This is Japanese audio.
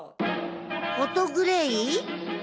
フォトグレイ？